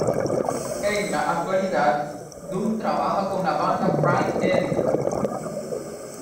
En la actualidad, Dunn trabaja con la banda Prime Evil.